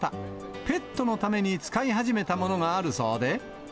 ペットのために使い始めたものがあるそうで。